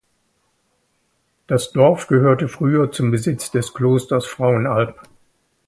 Das Dorf gehörte früher zum Besitz des Klosters Frauenalb.